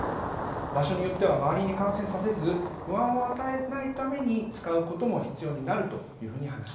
場所によっては周りに感染させず不安を与えないために使うことも必要になると話しています。